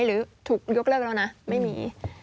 หรือถูกยกเลิกแล้วนะไม่มี